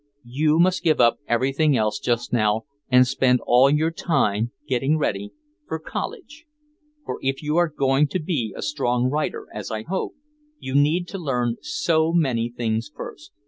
You must give up everything else just now and spend all your time getting ready for college. For if you are going to be a strong writer, as I hope, you need to learn so many things first.